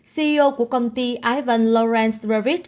ceo của công ty ivf